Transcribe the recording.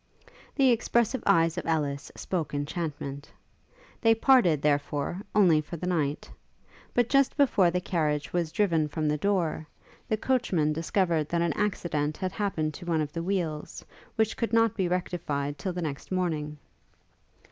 The expressive eyes of Ellis spoke enchantment. They parted, therefore, only for the night; but just before the carriage was driven from the door, the coachman discovered that an accident had happened to one of the wheels, which could not be rectified till the next morning.